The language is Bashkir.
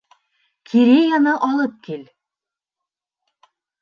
Кереяны алып кил.